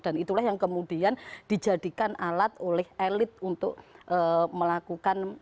dan itulah yang kemudian dijadikan alat oleh elit untuk melakukan